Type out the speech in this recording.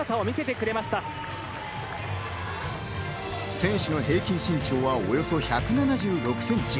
選手の平均身長はおよそ１７６ｃｍ。